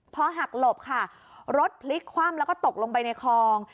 พอหักหลบค่ะรถพลิกคว่ำแล้วก็ตกลงไปในคลอง